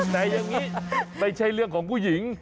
แต่อย่างนี้ไม่ใช่เรื่องของผู้หญิง